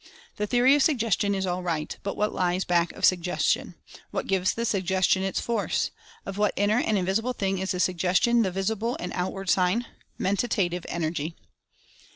The theory of Suggestion is all right — but what lies back of Suggestion ? What gives the Suggestion its force? Of what inner and invisible thing is the Suggestion the visible and out ward sign? MENTATIVE ENERGY!